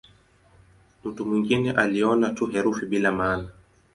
Mtu mwingine aliona tu herufi bila maana.